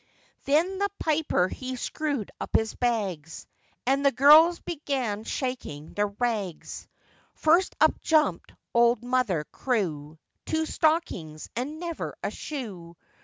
Then the piper he screwed up his bags, And the girls began shaking their rags; First up jumped old Mother Crewe, Two stockings, and never a shoe.